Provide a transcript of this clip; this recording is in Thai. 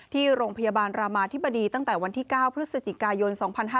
ที่โรงพยาบาลรามาธิบดีตั้งแต่วันที่๙พฤศจิกายน๒๕๕๙